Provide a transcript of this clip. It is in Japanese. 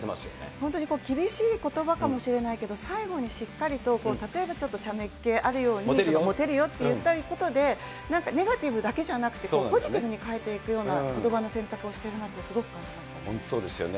本当に厳しいことばかもしれないけど、最後にしっかりと、例えばちょっとちゃめっ気あるように、もてるよって言ったりすることで、なんかネガティブだけじゃなくて、ポジティブに変えていくようなことばの選択をしてるなとすごく感本当、そうですよね。